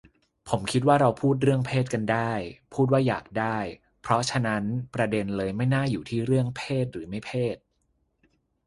ผมคิดว่าเราพูดเรื่องเพศกันได้ พูดว่าอยากได้ เพราะฉะนั้นประเด็นเลยไม่น่าอยู่ที่เรื่องเพศหรือไม่เพศ